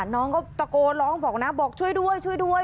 น้องก็ตะโกนร้องบอกนะบอกช่วยด้วยช่วยด้วย